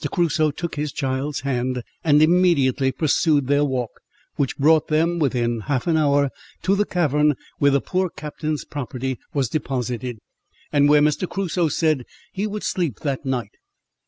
Crusoe took his child's hand, and immediately pursued their walk, which brought them, within half an hour, to the cavern where the poor captain's property was deposited, and where Mr. Crusoe said he would sleep that night.